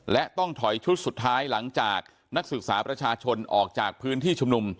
และต้องถอยชุดสุดท้ายหลังจากนักศึกษาประชาชนออกจากพื้นที่ชุมนุม